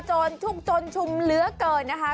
จนชุกจนชุมเหลือเกินนะคะ